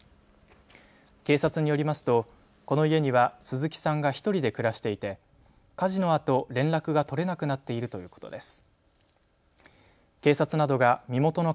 警察によりますとこの家には鈴木さんが１人で暮らしていて火事のあと連絡が取れなくなっているということです。